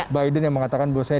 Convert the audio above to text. biden yang mengatakan bahwa